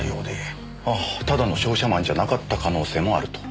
ああただの商社マンじゃなかった可能性もあると。